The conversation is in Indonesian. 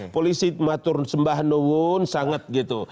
polisi itu matur sembah nungun sangat gitu